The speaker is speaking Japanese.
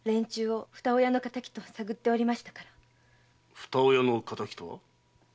「ふた親の敵」とは？